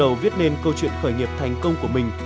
đầu viết nên câu chuyện khởi nghiệp thành công của mình